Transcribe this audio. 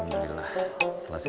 alhamdulillah selesai juga